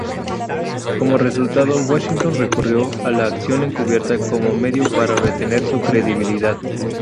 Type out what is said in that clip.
Como resultado, Washington recurrió a la acción encubierta como medio para "retener su credibilidad.